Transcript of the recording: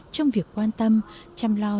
trong việc quan tâm chăm lo